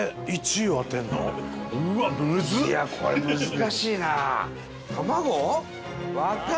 伊達：これ、難しいな。